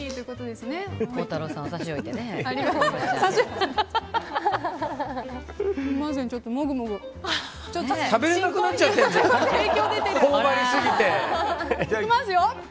いきますよ。